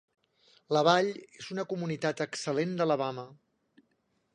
La vall és una "Comunitat excel·lent d'Alabama".